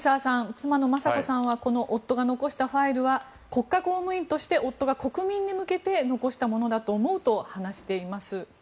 妻の雅子さんはこの夫が残したファイルは国家公務員として夫が国民に向けて残したものだと思うと話しています。